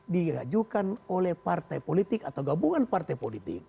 diajukan oleh partai politik atau gabungan partai politik